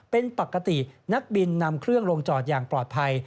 เป็นปกตินักบินนำเครื่องลงจอดอย่างปลอดภัย